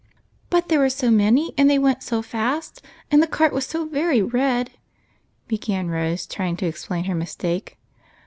"But there were so many, and they went so fast, and tlie cart was so very red," began Rose, trying to explain her mistake.